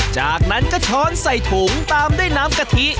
จากนั้นก็ช้อนใส่ถุงตามด้วยน้ำกะทิ